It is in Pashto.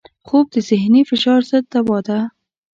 خوب د ذهني فشار ضد دوا ده